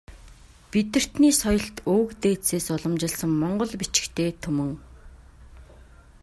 Бидэртний соёлт өвөг дээдсээс уламжилсан монгол бичигтэй түмэн.